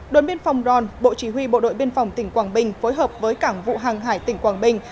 đồn biên phòng ron bộ chỉ huy bộ đội biên phòng tỉnh quảng bình phối hợp với cảng vụ hàng hải tỉnh quảng bình